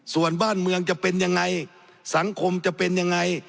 ส่วนบ้านเมืองจะเป็นยังไงสังคมจะเป็นยังไง